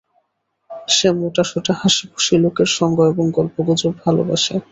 সে মোটাসোটা, হাসিখুশি, লোকের সঙ্গ এবং গল্পগুজব ভালোবাসে।